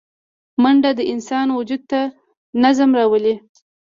منډه د انسان وجود ته نظم راولي